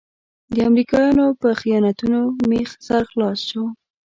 د امریکایانو په خیانتونو مې سر خلاص شو.